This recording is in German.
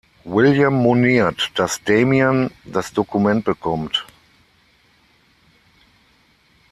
William moniert, dass Damian das Dokument bekommt.